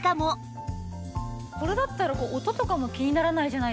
これだったら音とかも気にならないじゃないですか。